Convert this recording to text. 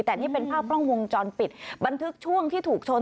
แต่นี่เป็นภาพกล้องวงจรปิดบันทึกช่วงที่ถูกชน